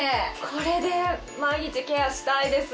これで毎日ケアしたいです。